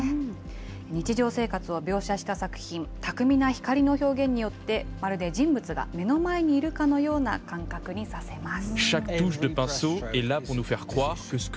日常生活を描写した作品、巧みな光の表現によって、まるで人物が目の前にいるかのような感覚にさせます。